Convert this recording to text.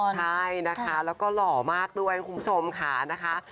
ใช่นะคะแล้วก็หล่อมากด้วยคุณผู้ชมค่ะนะคะ